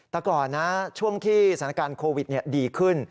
แต่ก่อนนะช่วงที่สถานการณ์โควิดดีขึ้น